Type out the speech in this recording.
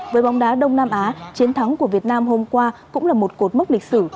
với bóng đá đông nam á chiến thắng của việt nam hôm qua cũng là một cột mốc lịch sử